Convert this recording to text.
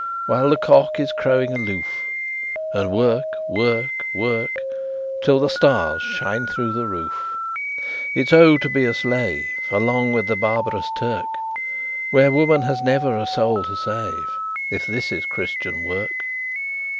While the cock is crowing aloof! And work work work, Till the stars shine through the roof! It's Oh! to be a slave Along with the barbarous Turk, Where woman has never a soul to save, If this is Christian work!